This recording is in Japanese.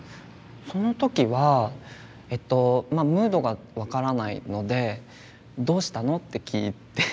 その時はえっとムードが分からないので「どうしたの？」って聞いて。